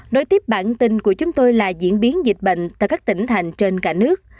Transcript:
đối tiếp bản tin của chúng tôi là diễn biến dịch bệnh tại các tỉnh thành trên cả nước